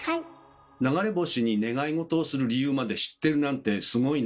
流れ星に願いごとをする理由まで知ってるなんてすごいね。